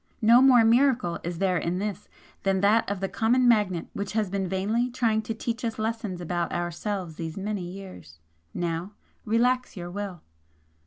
No more miracle is there in this than that of the common magnet which has been vainly trying to teach us lessons about ourselves these many years. Now, relax your will!"